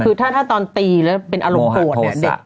คือถ้าตอนตีแล้วเป็นอารมณ์โกรธเนี่ย